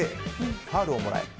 ファウルをもらえ。